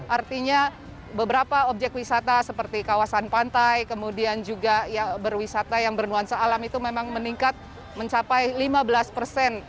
artinya beberapa objek wisata seperti kawasan pantai kemudian juga berwisata yang bernuansa alam itu memang meningkat mencapai lima belas persen